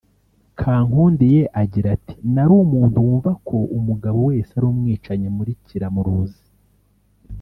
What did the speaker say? Kankundiye agira ati“nari umuntu wumva ko umugabo wese ari umwicanyi muri kiramuruzi